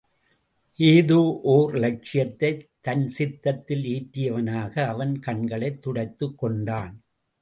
ஏதோ ஓர் இலட்சியத்தைத் தன் சித்தத்தில் ஏற்றியவனாக, அவன் கண்களைத் துடைத்துக் கொண்டான்.